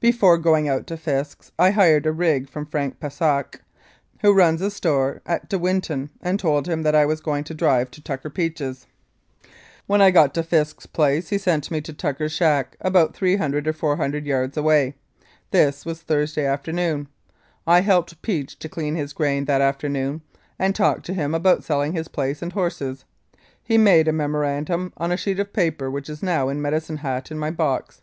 Before going out to Fisk's I hired a rig from Frank Pashak, who runs a store at De Winton, and told him that I was going to drive to Tucker Peach's. 242 The Tucker Peach Murder "When I got to Fisk's place he sent me to Tucker's shack, about 300 or 400 yards away. This was Thurs day afternoon. I helped Peach to clean his grain that afternoon, and talked to him about selling his place and horses. He made a memorandum on a sheet of paper which is now in Medicine Hat in my box.